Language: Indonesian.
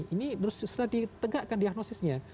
ini setelah ditegakkan diagnosisnya